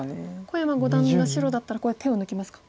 小山五段が白だったらここで手を抜きますか？